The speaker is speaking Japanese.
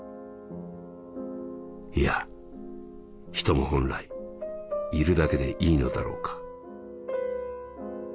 「いや人も本来いるだけでいいのだろうか」。